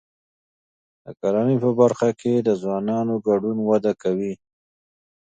د کرنې په برخه کې د ځوانانو ګډون وده کوي.